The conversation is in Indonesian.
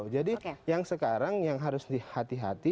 jadi yang sekarang yang harus dihati hati